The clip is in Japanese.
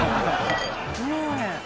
ねえ。